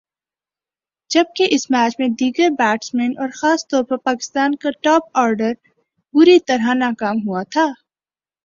جبکہ اس میچ میں دیگر بیٹسمین اور خاص طور پر پاکستان کا ٹاپ آرڈر بری طرح ناکام ہوا تھا ۔